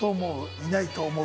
いないと思う？